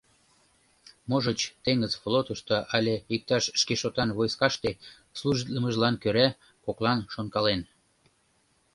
«Можыч, теҥыз флотышто але иктаж шкешотан войскаште служитлымыжлан кӧра, — коклан шонкален.